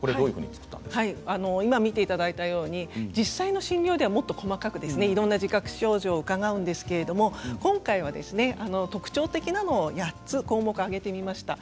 今、見ていただいたように実際の診療ではもっと細かくいろんな自覚症状から伺うんですけれど今回は特徴的なものを８つ項目を挙げてみました。